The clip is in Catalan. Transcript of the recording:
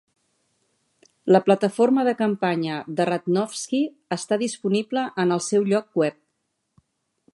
La plataforma de campanya de Radnofsky està disponible en el seu lloc web.